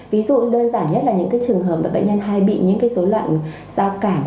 ví dụ đơn giản nhất là những trường hợp bệnh nhân hay bị những dối loạn giao cảm